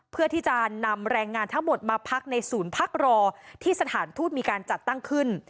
เพื่อที่จะนำแรงงานทั้งหมดมาพักในศูนย์พักรอที่สถานทูตมีการจัดตั้งขึ้น